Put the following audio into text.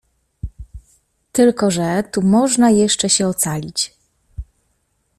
"Tylko że tu można jeszcze się ocalić."